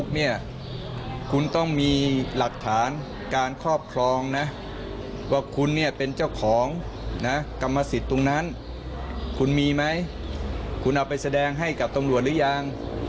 มีมั้ยคุณเอาไปแสดงให้กับตำรวจหรือยัง